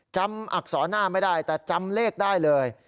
อักษรหน้าไม่ได้แต่จำเลขได้เลย